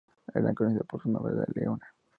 Era conocida por su nombre de "leona".